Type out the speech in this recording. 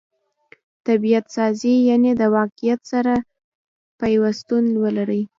طبعت سازي؛ یعني د واقعیت سره پیوستون ولري.